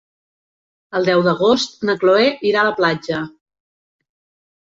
El deu d'agost na Chloé irà a la platja.